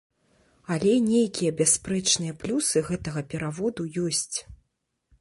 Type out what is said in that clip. Але нейкія бясспрэчныя плюсы гэтага пераводу ёсць.